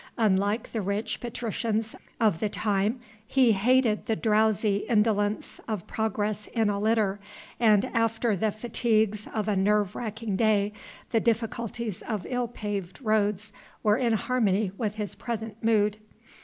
Unlike the rich patricians of the time he hated the drowsy indolence of progress in a litter, and after the fatigues of a nerve racking day, the difficulties of ill paved roads were in harmony with his present mood.